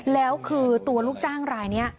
แล้วคือตัวลูกจ้างรายนี้